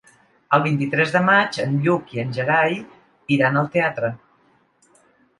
El vint-i-tres de maig en Lluc i en Gerai iran al teatre.